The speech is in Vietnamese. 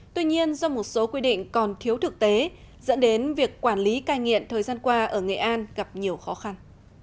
tuy nhiên do một số quy định còn thiếu thực tế dẫn đến việc quản lý cai nghiện thời gian qua ở nghệ an gặp nhiều khó khăn